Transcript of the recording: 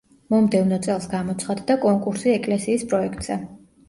მომდევნო წელს გამოცხადდა კონკურსი ეკლესიის პროექტზე.